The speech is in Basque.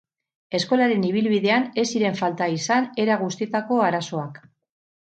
Eskolaren ibilbidean ez ziren falta izan era guztietako arazoak.